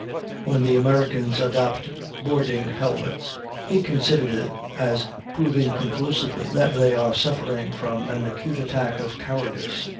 When the Americans adopt boarding helmets, he considers it as proving conclusively that they are suffering from an acute attack of cowardice.